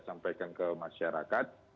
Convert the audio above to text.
sampaikan ke masyarakat